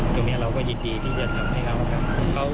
ตรงนี้เราก็ยินดีที่จะทำให้เขา